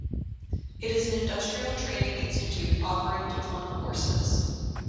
It is an industrial training institute offering diploma courses.